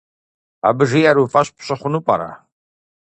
Абы жиӏэр уи фӏэщ пщӏы хъуну пӏэрэ?